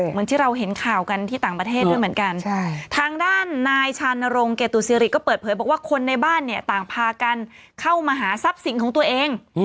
เหมือนที่เราเห็นข่าวกันที่ต่างประเทศด้วยเหมือนกันทางด้านนายชานรงเกตุซิริก็เปิดเผยบอกว่าคนในบ้านเนี่ยต่างพากันเข้ามาหาทรัพย์สินของตัวเอง